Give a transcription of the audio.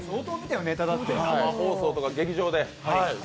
生放送とか劇場で。